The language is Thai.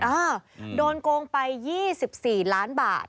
เออโดนโกงไป๒๔ล้านบาท